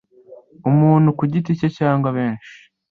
umuntu ku giti cye cyangwa benshi